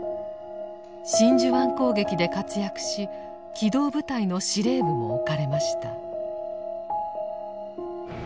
真珠湾攻撃で活躍し機動部隊の司令部も置かれました。